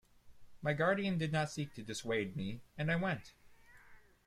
My guardian did not seek to dissuade me, and I went.